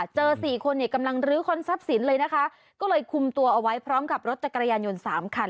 สี่คนเนี่ยกำลังลื้อค้นทรัพย์สินเลยนะคะก็เลยคุมตัวเอาไว้พร้อมกับรถจักรยานยนต์สามคัน